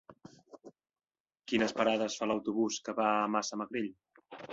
Quines parades fa l'autobús que va a Massamagrell?